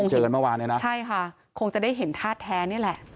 เจออะไรเมื่อวานเลยนะใช่ค่ะคงจะได้เห็นธาตุแท้นี่แหละ